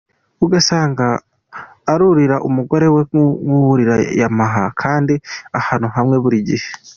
Ugasanga arurira umugore we nk´uwurira Yamaha kandi ahantu hamwe buri gihe.